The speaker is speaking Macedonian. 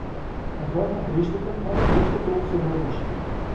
На крајот на краиштата, каде и зошто толку се брзаше?